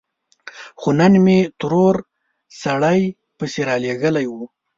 خو نن مې ترور سړی پسې رالېږلی و.